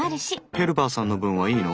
ヘルパーさんの分はいいの？